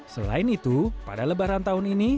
selain itu pada lebaran tahun ini